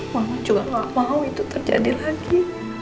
mama juga gak mau itu terjadi lagi